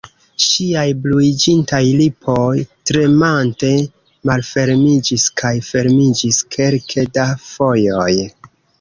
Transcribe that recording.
Ŝiaj bluiĝintaj lipoj, tremante malfermiĝis kaj fermiĝis kelke da fojoj.